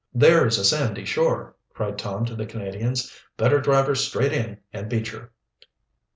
"There is a sandy shore!" cried Tom to the Canadians. "Better drive her straight in and beach her!"